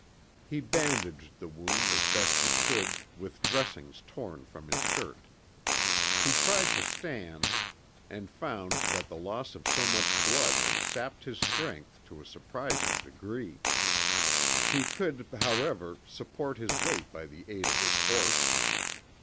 He bandaged the wound as best he could with dressings torn from his shirt. He tried to stand, and found that the loss of so much blood had sapped his strength to a surprising degree. He could, however, support his weight by the aid of his horse.